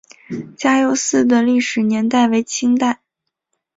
嘉佑寺的历史年代为清代。